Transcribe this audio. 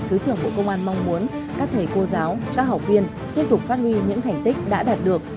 thứ trưởng bộ công an mong muốn các thầy cô giáo các học viên tiếp tục phát huy những thành tích đã đạt được